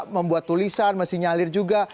membuat tulisan mensinyalir juga